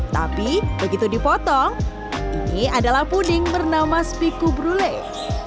tapi begitu dipotong ini adalah puding bernama spiku brule